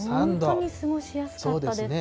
本当に過ごしやすかったですね。